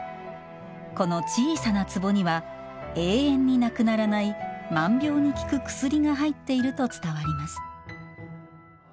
この小さな壺には永遠になくならない万病に効く薬が入っていると伝わります。